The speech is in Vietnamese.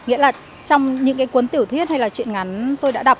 nghĩa là trong những cái cuốn tiểu thuyết hay là chuyện ngắn tôi đã đọc